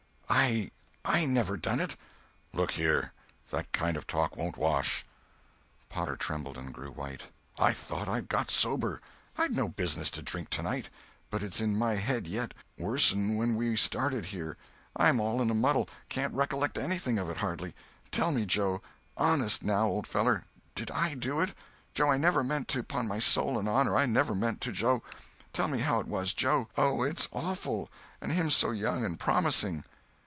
"I! I never done it!" "Look here! That kind of talk won't wash." Potter trembled and grew white. "I thought I'd got sober. I'd no business to drink to night. But it's in my head yet—worse'n when we started here. I'm all in a muddle; can't recollect anything of it, hardly. Tell me, Joe—honest, now, old feller—did I do it? Joe, I never meant to—'pon my soul and honor, I never meant to, Joe. Tell me how it was, Joe. Oh, it's awful—and him so young and promising."